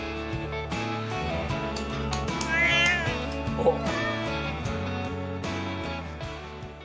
おっ。